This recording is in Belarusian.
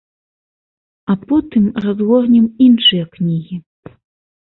А потым разгорнем іншыя кнігі.